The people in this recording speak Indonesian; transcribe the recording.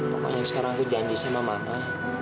pokoknya sekarang aku janji sama mama